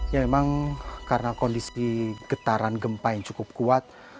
ya memang karena kondisi getaran gempa yang cukup kuat